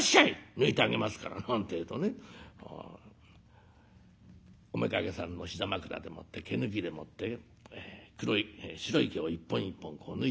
抜いてあげますから」なんてえとねおめかけさんの膝枕でもって毛抜きでもって白い毛を一本一本こう抜いてもらいます。